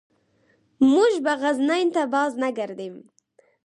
موږ بغزنین ته بازنګردیم.